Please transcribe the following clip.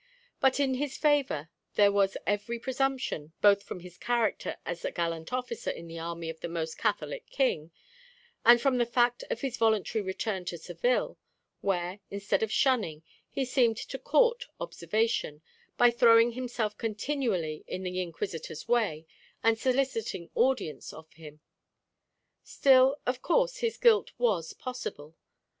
But in his favour there was every presumption, both from his character as a gallant officer in the army of the most Catholic king, and from the fact of his voluntary return to Seville; where, instead of shunning, he seemed to court observation, by throwing himself continually in the Inquisitor's way, and soliciting audience of him. Still, of course, his guilt was possible.